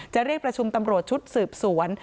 เรียกประชุมตำรวจชุดสืบสวน